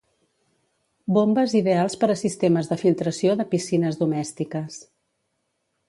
Bombes ideals per a sistemes de filtració de piscines domèstiques.